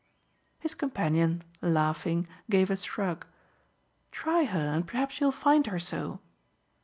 '" His companion, laughing, gave a shrug. "Try her and perhaps you'll find her so!"